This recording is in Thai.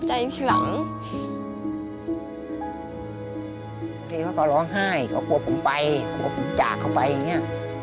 บางทีเขาก็ร้องไห้ก็กลัวผมไปกลัวผมจากเขาไปอย่างเงี้ย